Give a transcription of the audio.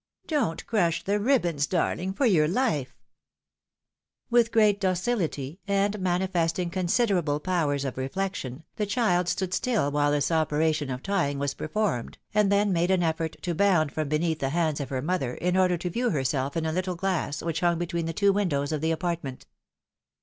Don't crush the ribbons, darhng, for your life !" With great docihty, and manifesting considerable powers of reflection, the child stood still while this operation of tying was performed, and then made an effort to bound from beneath the hands of her mother, in order to view herself in a httle glass which hung between the two windows of the apartment.